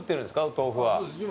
お豆腐は。